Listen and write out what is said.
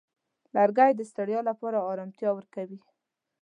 لرګی د ستړیا لپاره آرامتیا ورکوي.